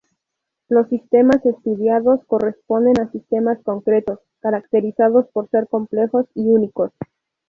Los sistemas estudiados corresponden a sistemas concretos, caracterizados por ser complejos y únicos.